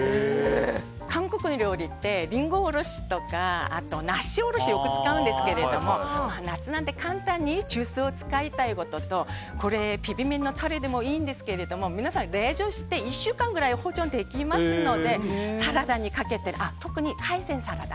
韓国料理ってリンゴおろしとか梨おろしをよく使うんですけど、夏なので簡単にジュースを使いたいのとビビン麺のタレでもいいんですが皆さん、冷蔵して１週間くらい保存できますのでサラダにかけて、特に海鮮サラダ